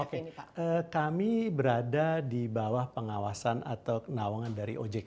oke kami berada di bawah pengawasan atau kenawangan dari ojk